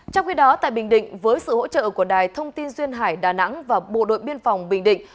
trong khi đó tại bình định với sự hỗ trợ của đài thông tin duyên hải đà nẵng và bộ đội biên phòng bình định